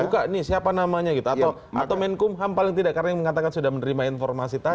buka nih siapa namanya gitu atau menkumham paling tidak karena yang mengatakan sudah menerima informasi tadi